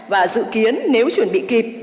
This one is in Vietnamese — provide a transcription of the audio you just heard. và dự kiến nếu chuẩn bị kịp